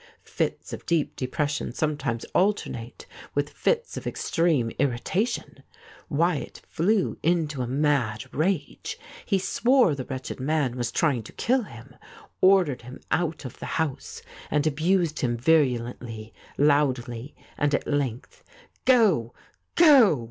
Fits of deep depression sometimes alternate with fits of extreme irrita tion. Wyatt flew into a mad rage. He swore the wretched man was trying to kill him, ordered him out of the house, and abused him viru lently, loudly, and at length. ' Go, go